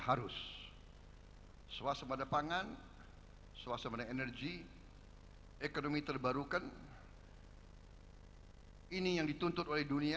harus swasem ada pangan swasem ada energi ekonomi terbarukan ini yang dituntut oleh dunia